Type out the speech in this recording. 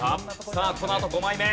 さあこのあと５枚目。